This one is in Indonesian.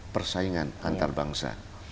persaingan antar bangsa